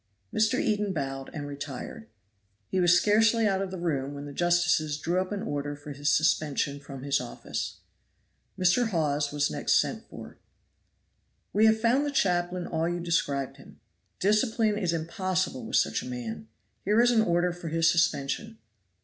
Mr. Eden bowed and retired. He was scarcely out of the room when the justices drew up an order for his suspension from his office. Mr. Hawes was next sent for. "We have found the chaplain all you described him. Discipline is impossible with such a man; here is an order for his suspension."